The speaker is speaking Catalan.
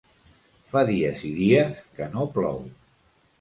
Fa dies i dies que no plou.